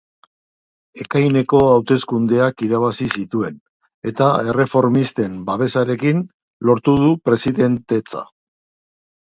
Ekaineko hauteskundeak irabazi zituen, eta erreformisten babesarekin, lortu du presidentetza.